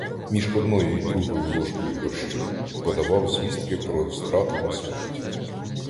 Між одною й другою ложкою борщу подавав звістки про страту на смерть.